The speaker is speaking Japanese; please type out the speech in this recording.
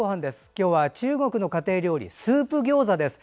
今日は中国の家庭料理スープ餃子です。